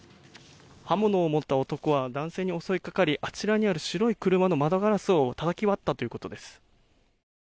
刃物を持った男は男性に襲いかかりあちらにある白い車の窓ガラスをたたき割ったということです。